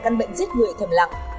căn bệnh giết người thầm lặng